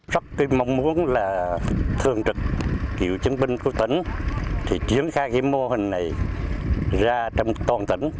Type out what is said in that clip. rất mong muốn là thương trực cựu chiến binh của tỉnh thì chuyển khai mô hình này ra trong toàn tỉnh